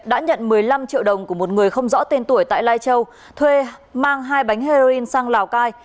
đã nhận một mươi năm triệu đồng của một người không rõ tên tuổi tại lai châu thuê mang hai bánh heroin sang lào cai